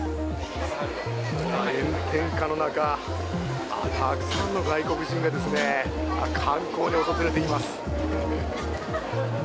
炎天下の中、たくさんの外国人がですね、観光に訪れています。